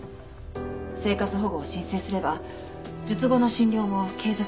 生活保護を申請すれば術後の診療も継続できるそうです。